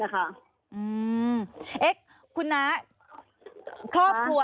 อืมเอ๊ะคุณน้า